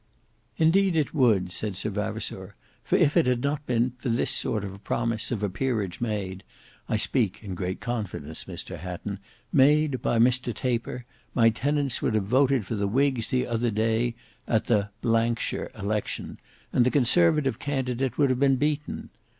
"Indeed it would," said Sir Vavasour, "for if it had not been for this sort of a promise of a peerage made—I speak in great confidence Mr Hatton—made by Mr Taper, my tenants would have voted for the whigs the other day at the ——shire election, and the conservative candidate would have been beaten.